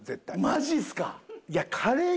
マジっすか！